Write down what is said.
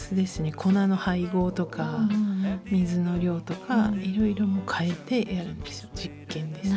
粉の配合とか水の量とかいろいろ変えてやるんですよ。